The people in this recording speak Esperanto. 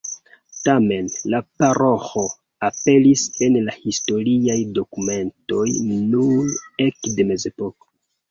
Tamen, la paroĥo aperis en la historiaj dokumentoj nur ekde Mezepoko.